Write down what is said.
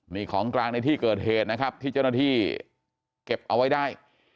นี่ของกลางในที่เกิดเหตุนะครับที่เจ้าหน้าที่เก็บเอาไว้ได้